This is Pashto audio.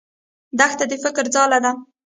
دښته د فکرو ځاله ده.